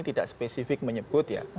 tidak spesifik menyebut ya